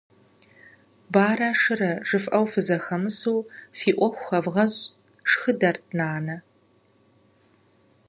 Барэ-шырэ жыфӏэу фызэхэмысу фи ӏуэху хэвгъэщӏ, - шхыдэрт нанэ.